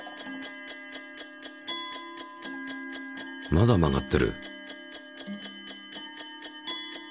まだ曲がってる。